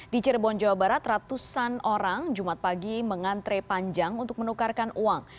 di cirebon jawa barat ratusan orang jumat pagi mengantre panjang untuk menukarkan uang